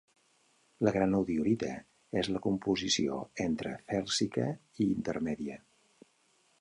La granodiorita és de composició entre fèlsica i intermèdia.